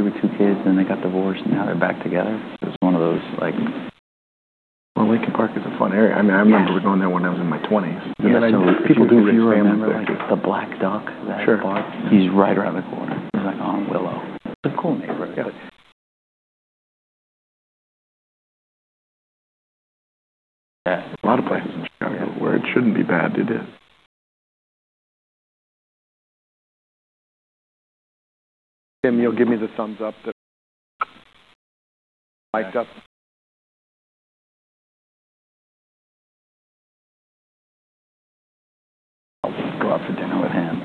Married with two kids, and they got divorced, and now they're back together. It's one of those, like. Lincoln Park is a fun area. I mean, I remember going there when I was in my 20s. Yeah, people do. The Black Duck that I bought. Sure. He's right around the corner. He's like on Willow. It's a cool neighborhood. Yeah. Yeah. A lot of places in Chicago where it shouldn't be bad, it is. Tim, you'll give me the thumbs up that. Mic'd up. I'll go out for dinner with him.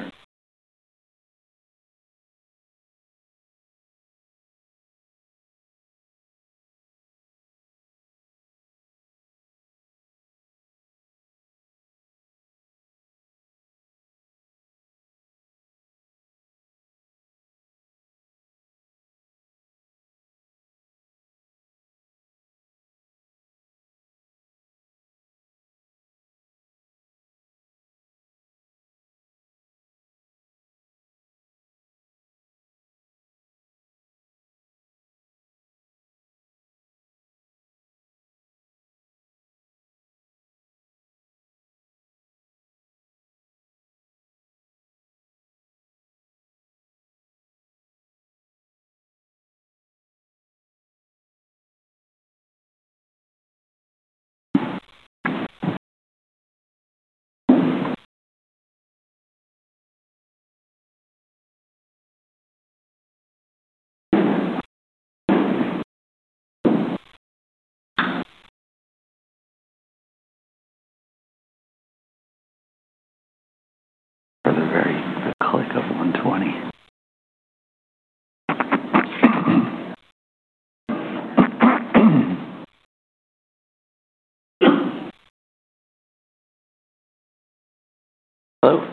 Hello.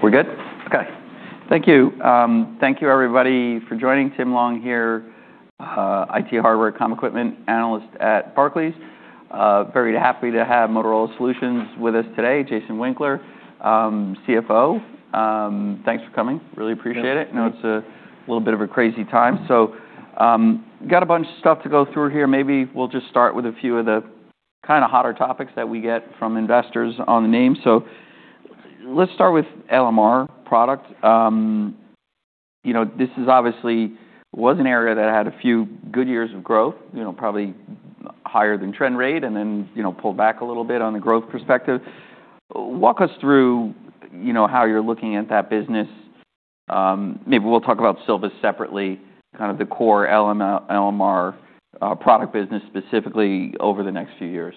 We're good? Okay. Thank you. Thank you, everybody, for joining. Tim Long here, IT hardware, Comm Equipment Analyst at Barclays. Very happy to have Motorola Solutions with us today. Jason Winkler, CFO. Thanks for coming. Really appreciate it. I know it's a little bit of a crazy time. So, got a bunch of stuff to go through here. Maybe we'll just start with a few of the kinda hotter topics that we get from investors on the name. So let's start with LMR product. You know, this is obviously was an area that had a few good years of growth, you know, probably higher than trend rate, and then, you know, pulled back a little bit on the growth perspective. Walk us through, you know, how you're looking at that business. Maybe we'll talk about Silvus separately, kind of the core LMR product business specifically over the next few years.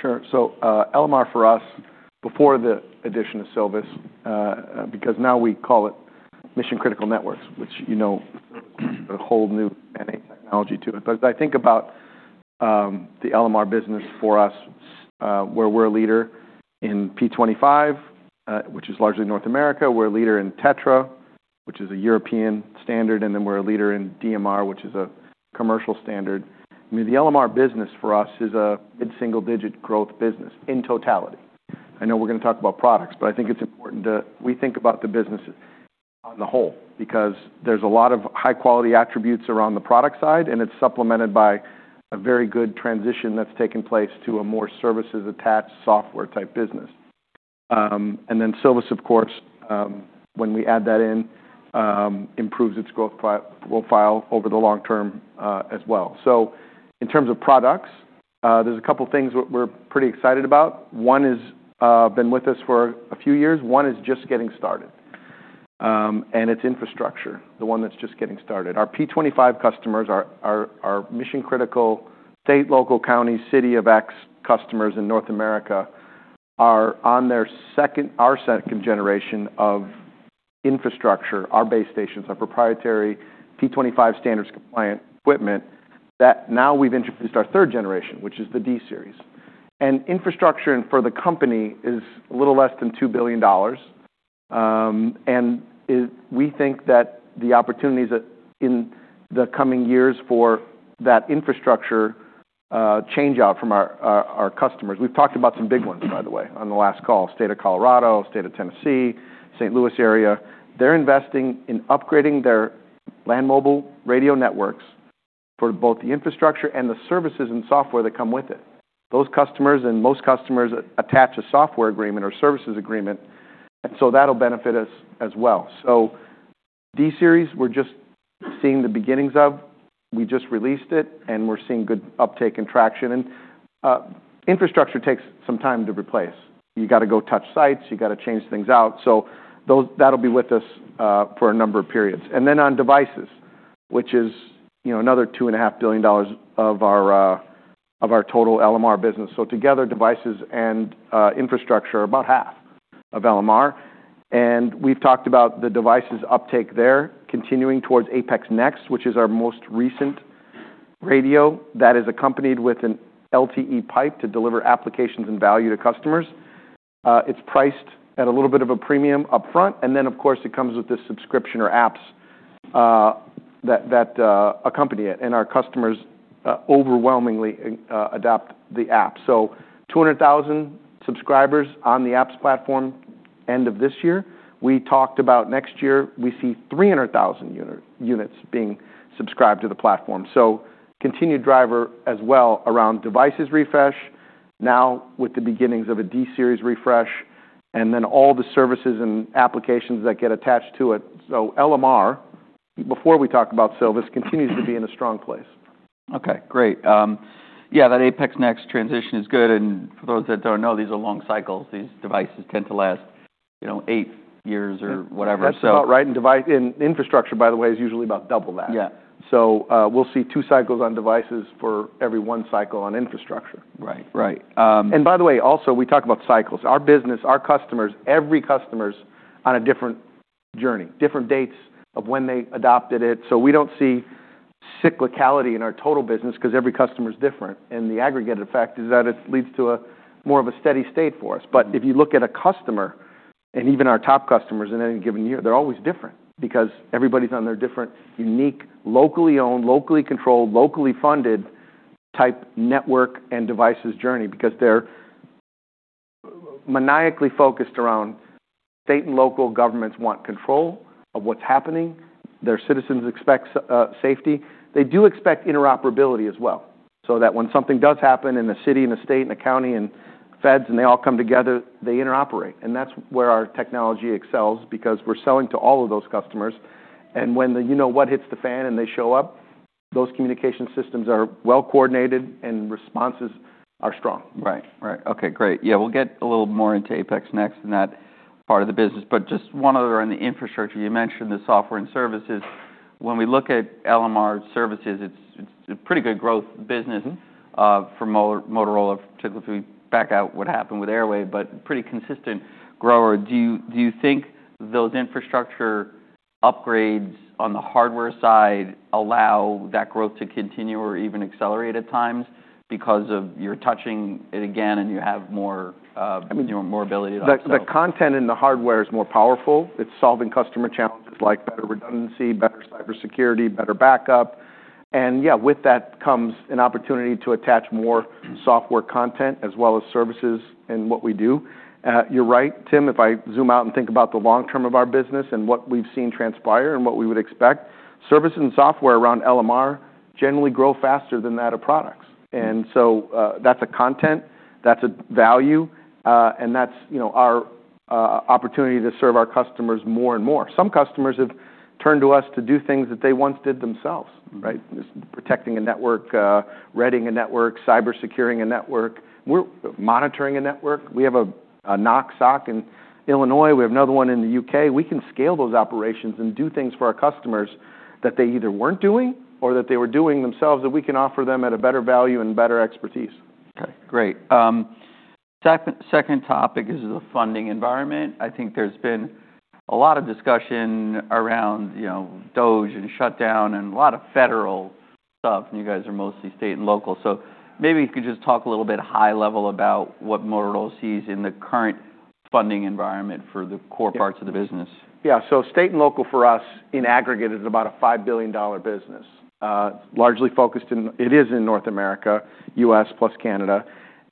Sure. So, LMR for us, before the addition of Silvus, because now we call it mission-critical networks, which, you know, a whole new NA technology to it. But as I think about, the LMR business for us, where we're a leader in P25, which is largely North America. We're a leader in Tetra, which is a European standard. And then we're a leader in DMR, which is a commercial standard. I mean, the LMR business for us is a mid-single-digit growth business in totality. I know we're gonna talk about products, but I think it's important to we think about the business on the whole because there's a lot of high-quality attributes around the product side, and it's supplemented by a very good transition that's taken place to a more services-attached software-type business. And then Silvus's, of course, when we add that in, improves its growth profile over the long term, as well. In terms of products, there's a couple of things we're pretty excited about. One is, been with us for a few years. One is just getting started. It's infrastructure, the one that's just getting started. Our P25 customers, our mission-critical state, local, county, city of X customers in North America are on their second, our second generation of infrastructure, our base stations, our proprietary P25 standards-compliant equipment that now we've introduced our third generation, which is the D-Series. Infrastructure for the company is a little less than $2 billion. We think that the opportunities in the coming years for that infrastructure change out from our customers. We've talked about some big ones, by the way, on the last call: State of Colorado, State of Tennessee, St. Louis area. They're investing in upgrading their land mobile radio networks for both the infrastructure and the services and software that come with it. Those customers and most customers attach a software agreement or services agreement, and so that'll benefit us as well. So D-Series, we're just seeing the beginnings of. We just released it, and we're seeing good uptake and traction. And infrastructure takes some time to replace. You gotta go touch sites. You gotta change things out. So those that'll be with us for a number of periods. And then on devices, which is, you know, another $2.5 billion of our total LMR business. So together, devices and infrastructure are about half of LMR. And we've talked about the devices uptake there continuing towards APX NEXT, which is our most recent radio that is accompanied with an LTE pipe to deliver applications and value to customers. It's priced at a little bit of a premium upfront. And then, of course, it comes with this subscription or apps that accompany it. And our customers, overwhelmingly, adopt the app. So, 200,000 subscribers on the apps platform end of this year. We talked about next year. We see 300,000 units being subscribed to the platform. So, continued driver as well around devices refresh, now with the beginnings of a D-Series refresh, and then all the services and applications that get attached to it. So, LMR, before we talk about Silvus, continues to be in a strong place. Okay. Great. Yeah, that APX NEXT transition is good. And for those that don't know, these are long cycles. These devices tend to last, you know, eight years or whatever. So. That's about right. And device and infrastructure, by the way, is usually about double that. Yeah. We'll see two cycles on devices for every one cycle on infrastructure. Right. Right. And by the way, also we talk about cycles. Our business, our customers, every customer's on a different journey, different dates of when they adopted it. So we don't see cyclicality in our total business 'cause every customer's different. And the aggregated fact is that it leads to a more of a steady state for us. But if you look at a customer and even our top customers in any given year, they're always different because everybody's on their different, unique, locally owned, locally controlled, locally funded type network and devices journey because they're maniacally focused around state and local governments want control of what's happening. Their citizens expect safety. They do expect interoperability as well so that when something does happen in a city and a state and a county and feds and they all come together, they interoperate. And that's where our technology excels because we're selling to all of those customers. And when the you-know-what hits the fan and they show up, those communication systems are well-coordinated and responses are strong. Right. Right. Okay. Great. Yeah. We'll get a little more into APX NEXT and that part of the business. But just one other on the infrastructure. You mentioned the software and services. When we look at LMR services, it's a pretty good growth business. Mm-hmm. for Motorola, particularly if we back out what happened with Airwave, but pretty consistent grower. Do you think those infrastructure upgrades on the hardware side allow that growth to continue or even accelerate at times because of you're touching it again and you have more, you know, more ability to upscale? The content in the hardware is more powerful. It's solving customer challenges like better redundancy, better cybersecurity, better backup. And yeah, with that comes an opportunity to attach more software content as well as services in what we do. You're right, Tim. If I zoom out and think about the long term of our business and what we've seen transpire and what we would expect, service and software around LMR generally grow faster than that of products. And so, that's a content. That's a value. And that's, you know, our opportunity to serve our customers more and more. Some customers have turned to us to do things that they once did themselves, right? Just protecting a network, readying a network, cybersecuring a network. We're monitoring a network. We have our SOC in Illinois. We have another one in the U.K. We can scale those operations and do things for our customers that they either weren't doing or that they were doing themselves that we can offer them at a better value and better expertise. Okay. Great. Second, second topic is the funding environment. I think there's been a lot of discussion around, you know, DOGE and shutdown and a lot of federal stuff, and you guys are mostly state and local. So maybe you could just talk a little bit high level about what Motorola sees in the current funding environment for the core parts of the business. Yeah. So state and local for us in aggregate is about a $5 billion business. It's largely focused in it is in North America, U.S. plus Canada,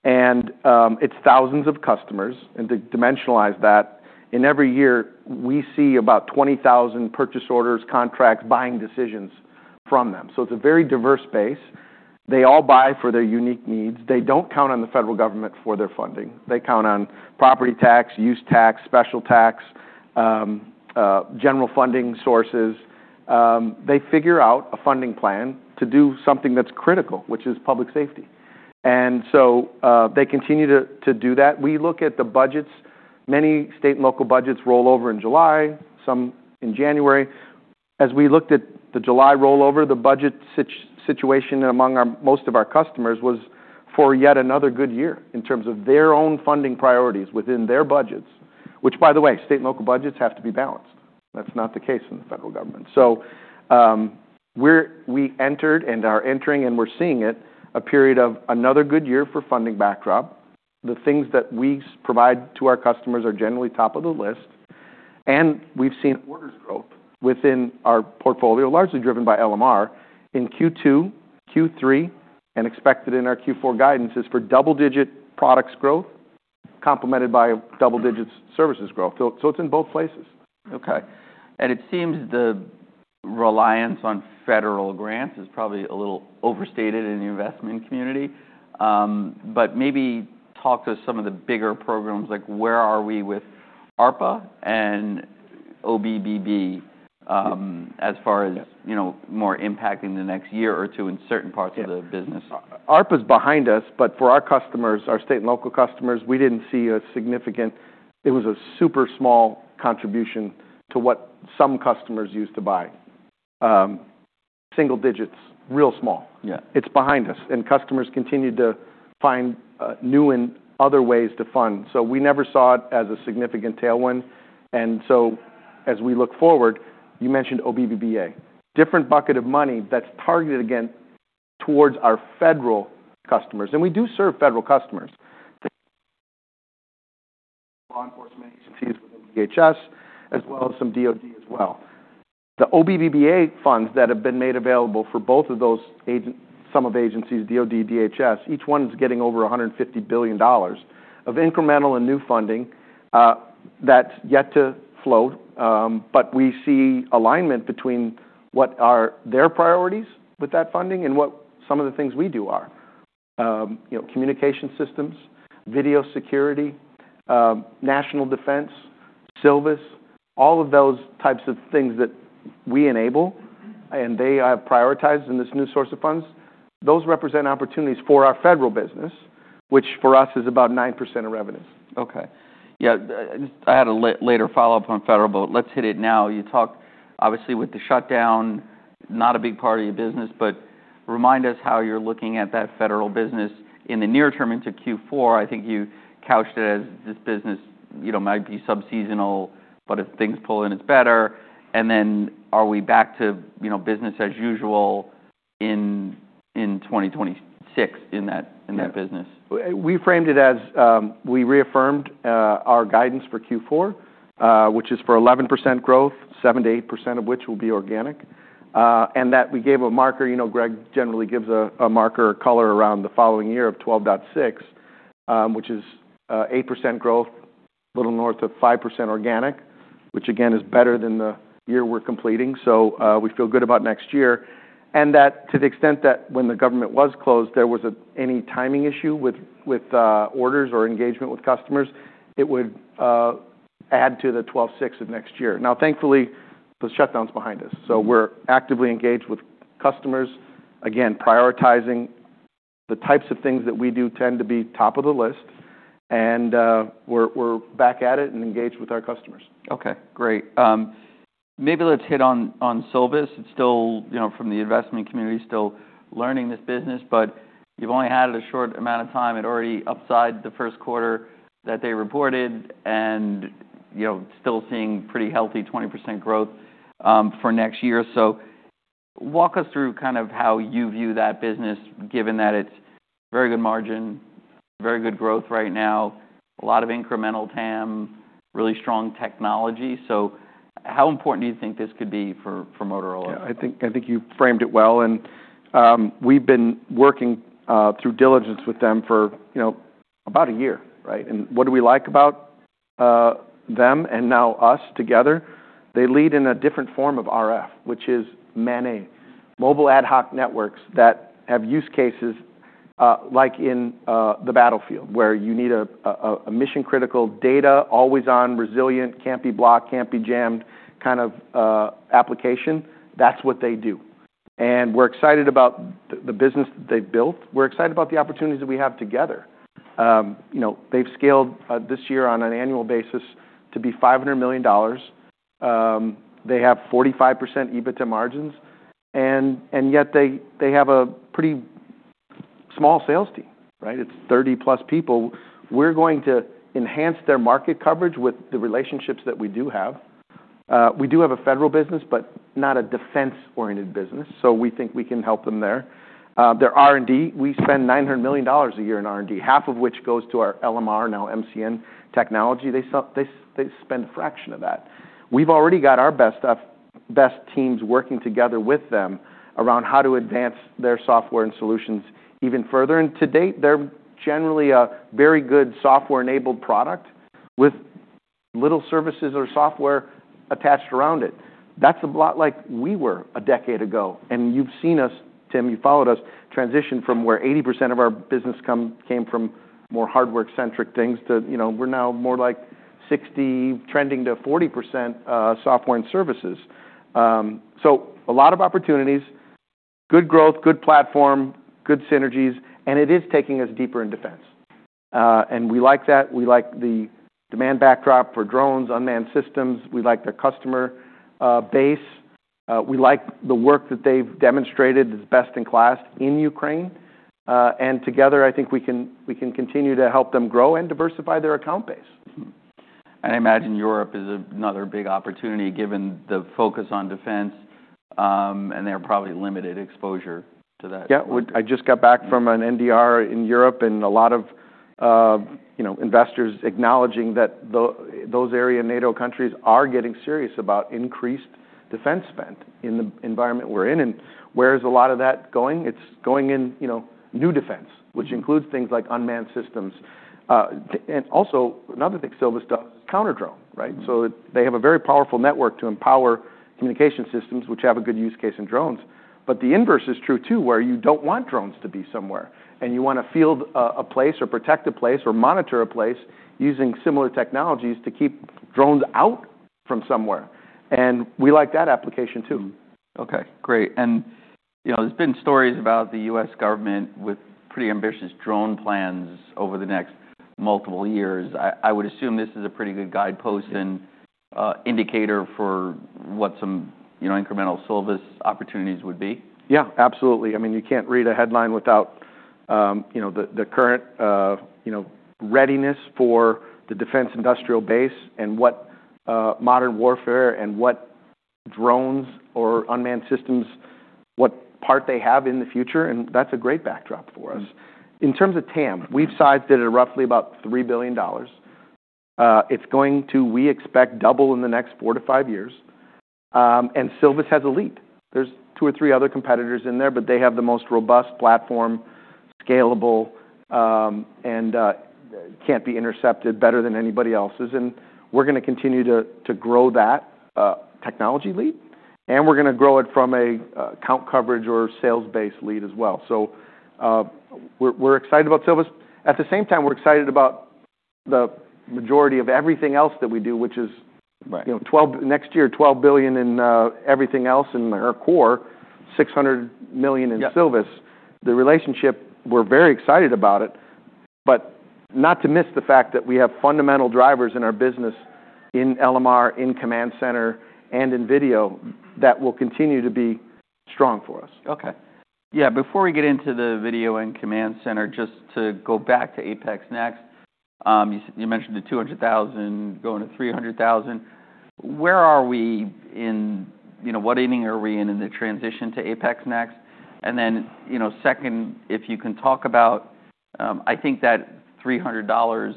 and it's thousands of customers. And to dimensionalize that, in every year, we see about 20,000 purchase orders, contracts, buying decisions from them, so it's a very diverse base. They all buy for their unique needs. They don't count on the federal government for their funding. They count on property tax, use tax, special tax, general funding sources. They figure out a funding plan to do something that's critical, which is public safety, and so they continue to do that. We look at the budgets. Many state and local budgets roll over in July, some in January. As we looked at the July rollover, the budget situation among most of our customers was for yet another good year in terms of their own funding priorities within their budgets, which, by the way, state and local budgets have to be balanced. That's not the case in the federal government. We entered and are entering and we're seeing a period of another good year for funding backdrop. The things that we provide to our customers are generally top of the list. We've seen orders growth within our portfolio, largely driven by LMR in Q2, Q3, and expected in our Q4 guidance is for double-digit products growth complemented by double-digit services growth. So, it's in both places. Okay. And it seems the reliance on federal grants is probably a little overstated in the investment community. But maybe talk to some of the bigger programs, like where are we with ARPA and OBBB, as far as, you know, more impacting the next year or two in certain parts of the business. ARPA's behind us, but for our customers, our state and local customers, we didn't see a significant. It was a super small contribution to what some customers used to buy. Single digits, real small. Yeah. It's behind us. And customers continue to find new and other ways to fund. So we never saw it as a significant tailwind. And so as we look forward, you mentioned OBBBA, different bucket of money that's targeted against towards our federal customers. And we do serve federal customers, law enforcement agencies within DHS, as well as some DoD as well. The OBBBA funds that have been made available for both of those agents, some of the agencies, DoD, DHS, each one's getting over $150 billion of incremental and new funding, that's yet to flow. But we see alignment between what are their priorities with that funding and what some of the things we do are, you know, communication systems, video security, national defense, Silvus, all of those types of things that we enable and they have prioritized in this new source of funds. Those represent opportunities for our federal business, which for us is about 9% of revenues. Okay. Yeah. I had a little later follow-up on federal, but let's hit it now. You talked, obviously, with the shutdown, not a big part of your business, but remind us how you're looking at that federal business in the near term into Q4. I think you couched it as this business, you know, might be subseasonal, but if things pull in, it's better. And then are we back to, you know, business as usual in 2026 in that business? Yeah. We framed it as we reaffirmed our guidance for Q4, which is for 11% growth, 7%-8% of which will be organic. We gave a marker, you know. Greg generally gives a marker or color around the following year of 12.6, which is 8% growth, a little north of 5% organic, which again is better than the year we're completing. So, we feel good about next year. To the extent that when the government was closed, there was any timing issue with orders or engagement with customers, it would add to the 12.6 of next year. Now, thankfully, the shutdown's behind us. So we're actively engaged with customers, again, prioritizing the types of things that we do tend to be top of the list. We're back at it and engaged with our customers. Okay. Great. Maybe let's hit on Silvus. It's still, you know, from the investment community, still learning this business, but you've only had it a short amount of time. It already beat the first quarter that they reported and, you know, still seeing pretty healthy 20% growth for next year. So walk us through kind of how you view that business, given that it's very good margin, very good growth right now, a lot of incremental TAM, really strong technology. So how important do you think this could be for Motorola? Yeah. I think you framed it well. And we've been working through diligence with them for you know about a year, right? And what do we like about them and now us together? They lead in a different form of RF, which is MANET, mobile ad hoc networks that have use cases like in the battlefield where you need a mission-critical data, always-on resilient, can't be blocked, can't be jammed kind of application. That's what they do. And we're excited about the business that they've built. We're excited about the opportunities that we have together. You know they've scaled this year on an annual basis to be $500 million. They have 45% EBITDA margins. And yet they have a pretty small sales team, right? It's 30-plus people. We're going to enhance their market coverage with the relationships that we do have. We do have a federal business, but not a defense-oriented business. So we think we can help them there. Their R&D, we spend $900 million a year in R&D, half of which goes to our LMR, now MCN technology. They spend a fraction of that. We've already got our best of best teams working together with them around how to advance their software and solutions even further. And to date, they're generally a very good software-enabled product with little services or software attached around it. That's a lot like we were a decade ago. And you've seen us, Tim, you followed us, transition from where 80% of our business came from more hardware-centric things to, you know, we're now more like 60%, trending to 40%, software and services, so a lot of opportunities, good growth, good platform, good synergies. It is taking us deeper in defense. We like that. We like the demand backdrop for drones, unmanned systems. We like their customer base. We like the work that they've demonstrated is best in class in Ukraine. Together, I think we can continue to help them grow and diversify their account base. I imagine Europe is another big opportunity given the focus on defense, and they're probably limited exposure to that. Yeah. I just got back from an NDR in Europe, and a lot of, you know, investors acknowledging that those area NATO countries are getting serious about increased defense spend in the environment we're in, and where's a lot of that going? It's going in, you know, new defense, which includes things like unmanned systems, and also another thing Silvus does is counter-drone, right? So they have a very powerful network to empower communication systems, which have a good use case in drones. But the inverse is true too, where you don't want drones to be somewhere, and you want to field a place or protect a place or monitor a place using similar technologies to keep drones out from somewhere, and we like that application too. Okay. Great. And, you know, there's been stories about the U.S. government with pretty ambitious drone plans over the next multiple years. I would assume this is a pretty good guidepost and indicator for what some, you know, incremental Silvus opportunities would be. Yeah. Absolutely. I mean, you can't read a headline without, you know, the, the current, you know, readiness for the defense industrial base and what, modern warfare and what drones or unmanned systems, what part they have in the future. And that's a great backdrop for us. In terms of TAM, we've sized it at roughly about $3 billion. It's going to, we expect, double in the next four to five years. And Silvus has a lead. There's two or three other competitors in there, but they have the most robust platform, scalable, and, can't be intercepted better than anybody else's. And we're going to continue to, to grow that, technology lead, and we're going to grow it from a, account coverage or sales-based lead as well. So, we're, we're excited about Silvus. At the same time, we're excited about the majority of everything else that we do, which is. Right. You know, $12 billion next year, $12 billion in everything else in our core, $600 million in Silvus. The relationship, we're very excited about it, but not to miss the fact that we have fundamental drivers in our business in LMR, in command center, and in video that will continue to be strong for us. Okay. Yeah. Before we get into the video and command center, just to go back to APX NEXT, you mentioned the 200,000 going to 300,000. Where are we in, you know, what ending are we in the transition to APX NEXT? And then, you know, second, if you can talk about, I think that $300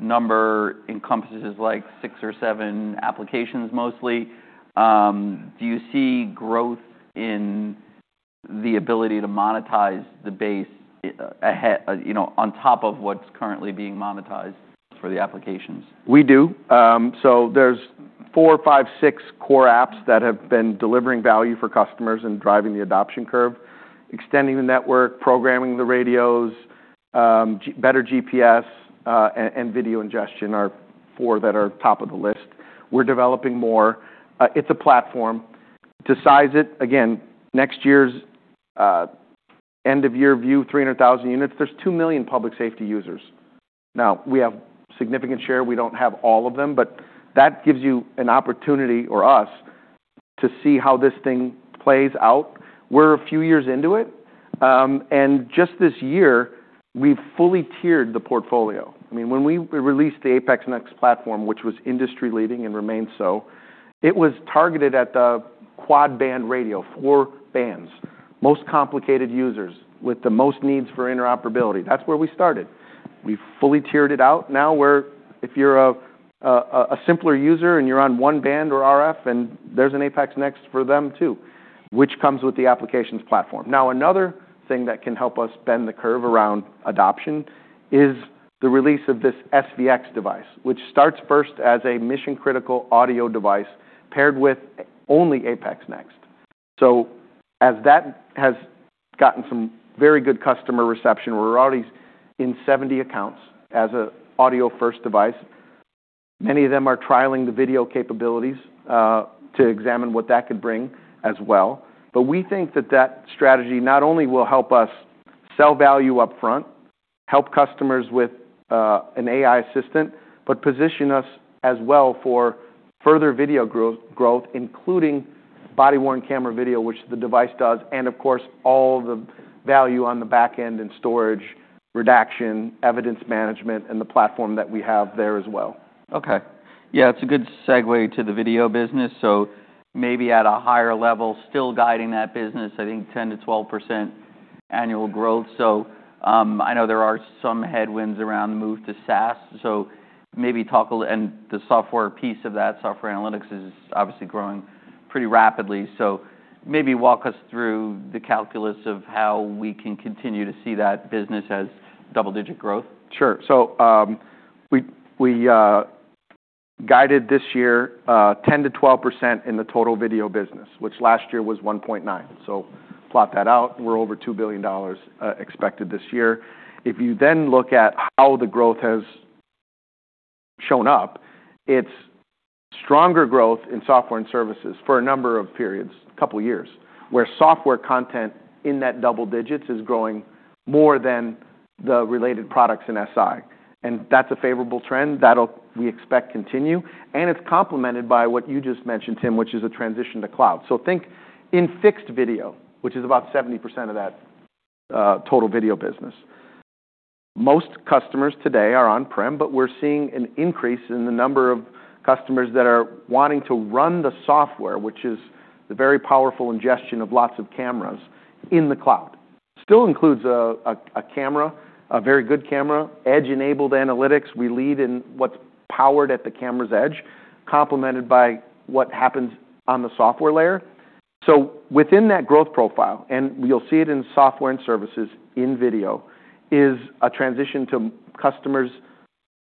number encompasses like six or seven applications mostly. Do you see growth in the ability to monetize the base ahead, you know, on top of what's currently being monetized for the applications? We do, so there's four, five, six core apps that have been delivering value for customers and driving the adoption curve, extending the network, programming the radios, better GPS, and video ingestion are four that are top of the list. We're developing more. It's a platform. To size it, again, next year's end-of-year view, 300,000 units. There's two million public safety users. Now, we have a significant share. We don't have all of them, but that gives you an opportunity or us to see how this thing plays out. We're a few years into it, and just this year, we've fully tiered the portfolio. I mean, when we released the APX NEXT platform, which was industry-leading and remains so, it was targeted at the quad-band radio, four bands, most complicated users with the most needs for interoperability. That's where we started. We fully tiered it out. Now we're, if you're a simpler user and you're on one band or RF, and there's an APX NEXT for them too, which comes with the applications platform. Now, another thing that can help us bend the curve around adoption is the release of this SVX device, which starts first as a mission-critical audio device paired with only APX NEXT. So as that has gotten some very good customer reception, we're already in 70 accounts as an audio-first device. Many of them are trialing the video capabilities, to examine what that could bring as well. But we think that strategy not only will help us sell value upfront, help customers with an AI assistant, but position us as well for further video growth, including body-worn camera video, which the device does, and of course, all the value on the backend and storage, redaction, evidence management, and the platform that we have there as well. Okay. Yeah. It's a good segue to the video business. So maybe at a higher level, still guiding that business, I think 10%-12% annual growth. So, I know there are some headwinds around the move to SaaS. So maybe talk a little and the software piece of that, software analytics, is obviously growing pretty rapidly. So maybe walk us through the calculus of how we can continue to see that business as double-digit growth. Sure. So, we guided this year 10%-12% in the total video business, which last year was $1.9 billion. So plot that out. We're over $2 billion expected this year. If you then look at how the growth has shown up, it's stronger growth in software and services for a number of periods, a couple of years, where software content in that double digits is growing more than the related products in SI. And that's a favorable trend that we'll expect to continue. And it's complemented by what you just mentioned, Tim, which is a transition to cloud. So think in fixed video, which is about 70% of that total video business. Most customers today are on-prem, but we're seeing an increase in the number of customers that are wanting to run the software, which is the very powerful ingestion of lots of cameras in the cloud. Still includes a camera, a very good camera, edge-enabled analytics. We lead in what's powered at the camera's edge, complemented by what happens on the software layer. So within that growth profile, and you'll see it in software and services in video, is a transition to customers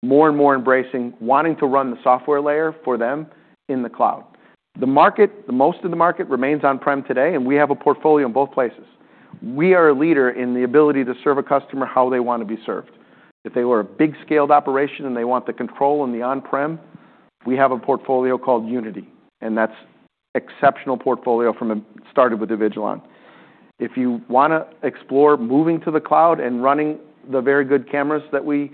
more and more embracing wanting to run the software layer for them in the cloud. The market, most of the market remains on-prem today, and we have a portfolio in both places. We are a leader in the ability to serve a customer how they want to be served. If they were a big-scaled operation and they want the control and the on-prem, we have a portfolio called Unity, and that's an exceptional portfolio from a started with the Avigilon. If you want to explore moving to the cloud and running the very good cameras that we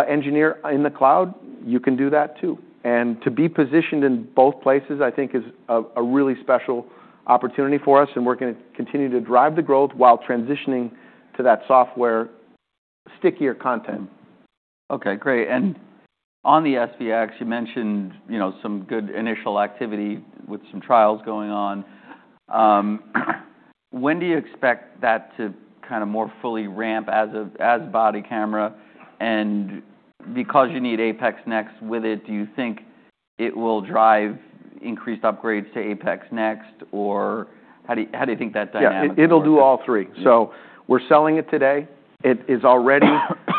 engineer in the cloud, you can do that too. And to be positioned in both places, I think, is a really special opportunity for us, and we're going to continue to drive the growth while transitioning to that software stickier content. Okay. Great. And on the SVX, you mentioned, you know, some good initial activity with some trials going on. When do you expect that to kind of more fully ramp as a, as body camera? And because you need APX NEXT with it, do you think it will drive increased upgrades to APX NEXT, or how do you, how do you think that dynamic will? Yeah. It'll do all three. So we're selling it today. It is already,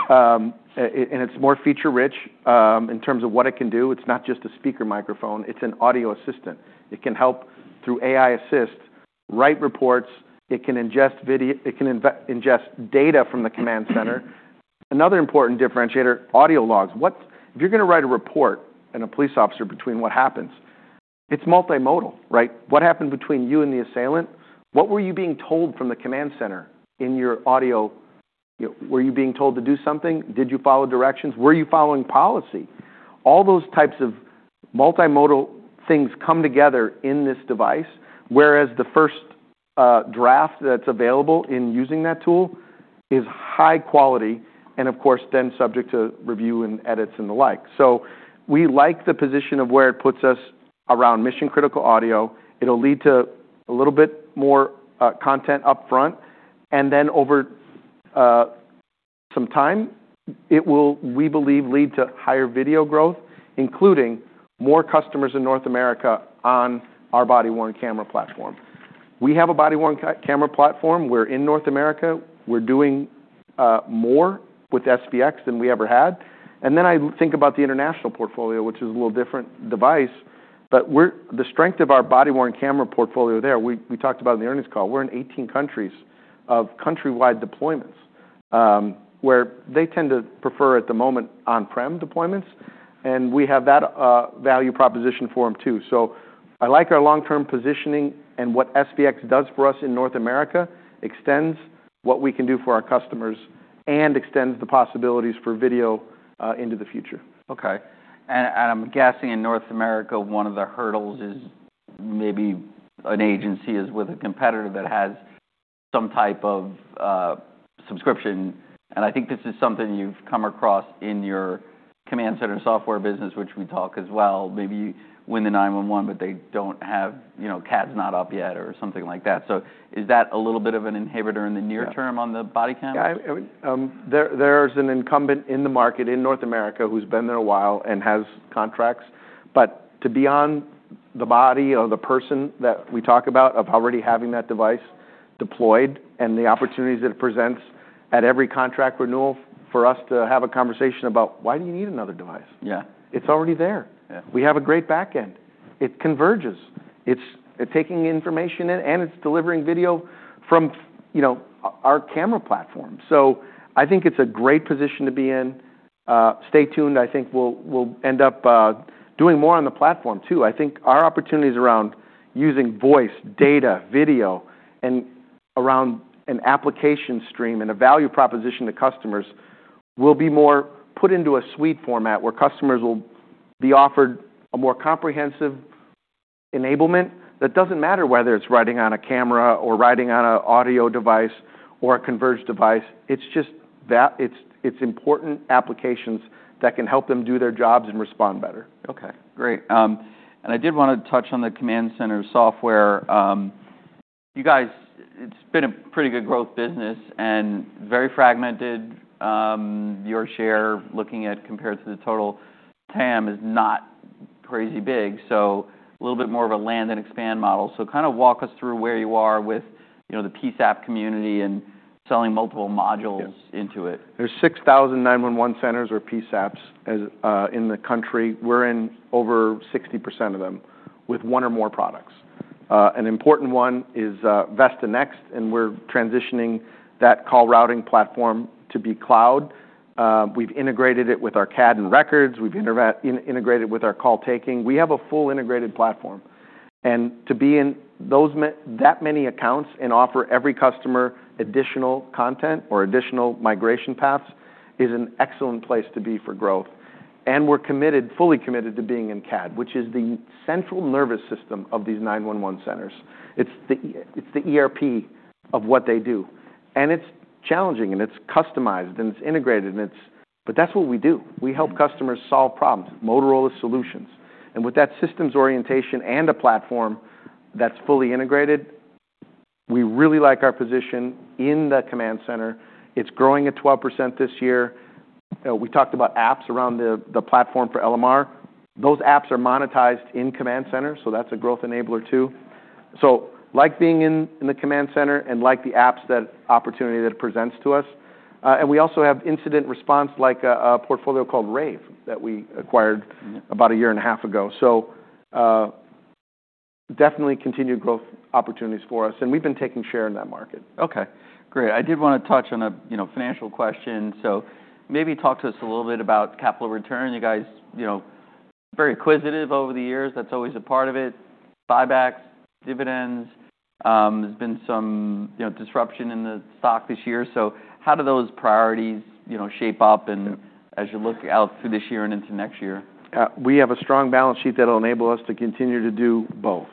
and it's more feature-rich, in terms of what it can do. It's not just a speaker microphone. It's an audio assistant. It can help through AI Assist, write reports. It can ingest video. It can ingest data from the command center. Another important differentiator, audio logs. What if you're going to write a report and a police officer between what happens? It's multimodal, right? What happened between you and the assailant? What were you being told from the command center in your audio? Were you being told to do something? Did you follow directions? Were you following policy? All those types of multimodal things come together in this device, whereas the first draft that's available in using that tool is high quality and, of course, then subject to review and edits and the like. So we like the position of where it puts us around mission-critical audio. It'll lead to a little bit more content upfront. And then over some time, it will, we believe, lead to higher video growth, including more customers in North America on our body-worn camera platform. We have a body-worn camera platform. We're in North America. We're doing more with SVX than we ever had. And then I think about the international portfolio, which is a little different device, but we see the strength of our body-worn camera portfolio there. We talked about in the earnings call. We're in 18 countries of countrywide deployments, where they tend to prefer at the moment on-prem deployments. And we have that value proposition for them too. So I like our long-term positioning and what SVX does for us in North America extends what we can do for our customers and extends the possibilities for video into the future. Okay, and I'm guessing in North America, one of the hurdles is maybe an agency is with a competitor that has some type of subscription. I think this is something you've come across in your command center software business, which we talk as well. Maybe you win the 911, but they don't have, you know, CAD's not up yet or something like that, so is that a little bit of an inhibitor in the near term on the body cam? Yeah. There, there's an incumbent in the market in North America who's been there a while and has contracts. But to be on the body or the person that we talk about of already having that device deployed and the opportunities that it presents at every contract renewal for us to have a conversation about, "Why do you need another device? Yeah. It's already there. Yeah. We have a great backend. It converges. It's taking information in, and it's delivering video from, you know, our camera platform. So I think it's a great position to be in. Stay tuned. I think we'll end up doing more on the platform too. I think our opportunities around using voice, data, video, and around an application stream and a value proposition to customers will be more put into a suite format where customers will be offered a more comprehensive enablement that doesn't matter whether it's running on a camera or running on an audio device or a converged device. It's just that it's important applications that can help them do their jobs and respond better. Okay. Great. And I did want to touch on the command center software. You guys, it's been a pretty good growth business and very fragmented. Your share looking at compared to the total TAM is not crazy big. So a little bit more of a land-and-expand model. So kind of walk us through where you are with, you know, the PSAP community and selling multiple modules into it. There's 6,911 centers or PSAPs as in the country. We're in over 60% of them with one or more products. An important one is VESTA NEXT, and we're transitioning that call routing platform to be cloud. We've integrated it with our CAD and records. We've integrated with our call taking. We have a full integrated platform. And to be in those that many accounts and offer every customer additional content or additional migration paths is an excellent place to be for growth. And we're committed, fully committed to being in CAD, which is the central nervous system of these 911 centers. It's the, it's the ERP of what they do. And it's challenging, and it's customized, and it's integrated, and it's, but that's what we do. We help customers solve problems. Motorola Solutions. With that systems orientation and a platform that's fully integrated, we really like our position in the command center. It's growing at 12% this year. We talked about apps around the platform for LMR. Those apps are monetized in command center, so that's a growth enabler too. Like being in the command center and like the apps that opportunity that it presents to us. We also have incident response like a portfolio called Rave that we acquired about a year and a half ago. Definitely continued growth opportunities for us, and we've been taking share in that market. Okay. Great. I did want to touch on a, you know, financial question. So maybe talk to us a little bit about capital return. You guys, you know, very acquisitive over the years. That's always a part of it. Buybacks, dividends. There's been some, you know, disruption in the stock this year. So how do those priorities, you know, shape up as you look out through this year and into next year? We have a strong balance sheet that'll enable us to continue to do both.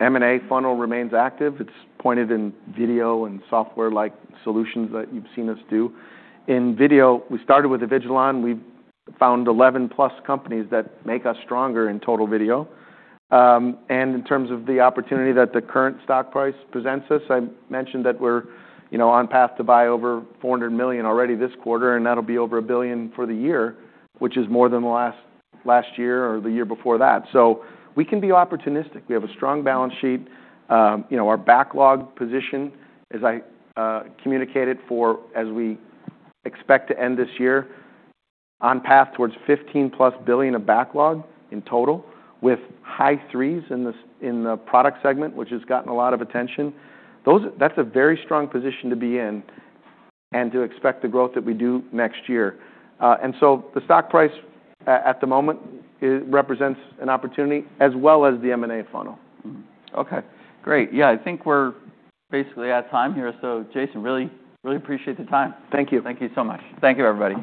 M&A funnel remains active. It's pointed in video and software-like solutions that you've seen us do. In video, we started with the Avigilon. We found 11-plus companies that make us stronger in total video, and in terms of the opportunity that the current stock price presents us, I mentioned that we're, you know, on path to buy over $400 million already this quarter, and that'll be over $1 billion for the year, which is more than the last, last year or the year before that. So we can be opportunistic. We have a strong balance sheet. You know, our backlog position, as I communicated, as we expect to end this year on path towards $15-plus billion of backlog in total with high threes in the product segment, which has gotten a lot of attention. That's a very strong position to be in and to expect the growth that we do next year. So the stock price at the moment represents an opportunity as well as the M&A funnel. Okay. Great. Yeah. I think we're basically at time here. So, Jason, really, really appreciate the time. Thank you. Thank you so much. Thank you, everybody.